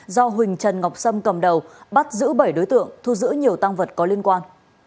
do huỳnh trần ngọc sâm cầm đầu bắt giữ bảy đối tượng thu giữ nhiều tăng vật có liên quan